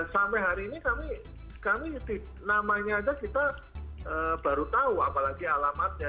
sampai hari ini kami namanya aja kita baru tahu apalagi alamatnya